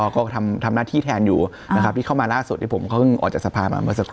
ก็ทำหน้าที่แทนอยู่นะครับที่เข้ามาล่าสุดที่ผมเขาเพิ่งออกจากสภามาเมื่อสักครู่